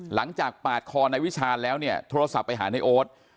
หลังจากปาดคอนายวิชานแล้วเนี่ยโทรศัพท์ไปหานายโอ๊ต